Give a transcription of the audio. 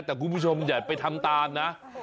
แต่คุณผู้ชมอย่าไปทำตามนะ